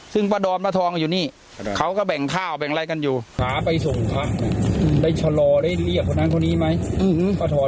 ซึ่งประดอมละทองอยู่นี่เขาก็แบ่งท่าวแบ่งไร้กันอยู่